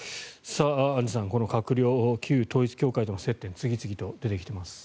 アンジュさんこの閣僚、旧統一教会との接点が次々と出てきています。